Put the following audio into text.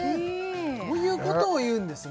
こういうことを言うんですね